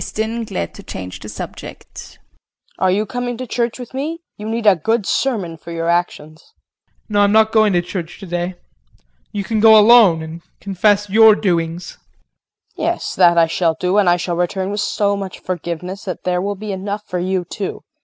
KRISTIN [Glad to change the subject]. Are you coming to church with me? You need a good sermon for your actions. JEAN. No, I'm not going to church today. You can go alone and confess your doings. KRISTIN. Yes, that I shall do, and I shall return with so much forgiveness that there will be enough for you too.